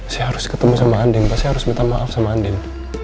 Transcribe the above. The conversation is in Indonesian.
saya harus ketemu sama andin pasti harus minta maaf sama andin